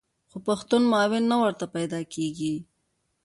خو پښتون معاون نه ورته پیدا کېږي.